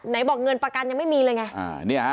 บอกเงินประกันยังไม่มีเลยไง